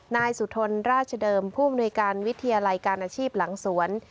นายสุธนราชเดิมผู้อำนวยการวิทยาลัยการอาชีพหลังสวน